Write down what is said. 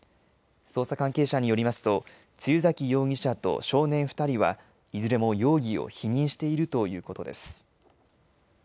捜査関係者によりますと露崎容疑者と少年２人はいずれも容疑を否認しているということです。